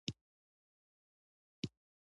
افغانستان د آب وهوا په برخه کې نړیوال شهرت لري.